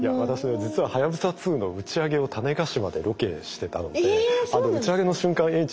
実ははやぶさ２の打ち上げを種子島でロケしてたので打ち上げの瞬間